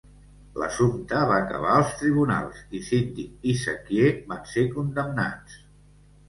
L'assumpte va acabar als tribunals i Síndic i sequier van ser condemnats.